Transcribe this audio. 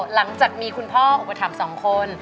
หลังจากมีคุณพ่ออุปถัมภ์สองคน